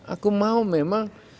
aku mau memang